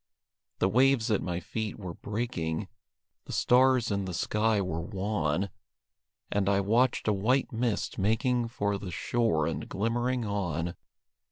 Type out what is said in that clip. The waves at my feet were breaking; The stars in the sky were wan; And I watched a white mist making For the shore and glimmering on.